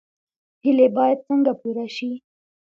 هیلې باید څنګه پوره شي؟